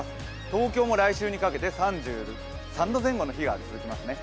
東京も来週にかけて３３度前後の日が続きますね。